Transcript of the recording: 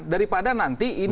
daripada nanti ini